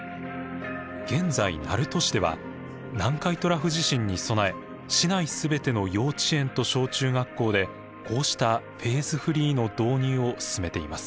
現在鳴門市では南海トラフ地震に備え市内全ての幼稚園と小中学校でこうしたフェーズフリーの導入を進めています。